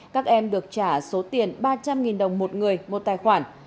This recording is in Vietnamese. các em được trả số tiền ba trăm linh đồng một người một tài khoản